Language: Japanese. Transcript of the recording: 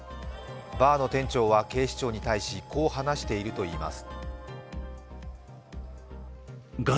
バーの店長は警視庁に対し、こう話しているといいます。